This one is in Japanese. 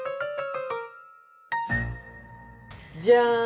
じゃん！